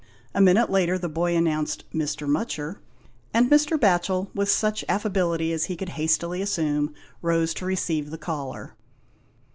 A minute later, the boy announced "Mr. Mutcher," and Mr. Batchel, with such affability as he could hastily assume, rose to receive the caller.